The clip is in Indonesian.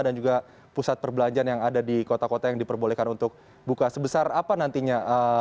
dan juga pusat perbelanjaan yang ada di kota kota yang diperbolehkan untuk buka sebesar apa nantinya